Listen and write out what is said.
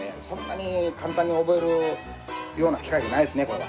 そんなに簡単に覚えるような機械じゃないですね